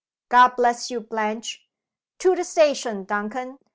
God bless you, Blanche! To the station, Duncan!